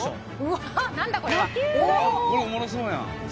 これおもろそうやん。